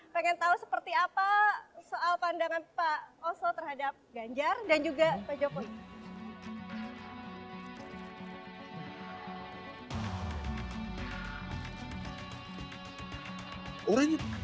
pengen tahu seperti apa soal pandangan pak oso terhadap ganjar dan juga pak jokowi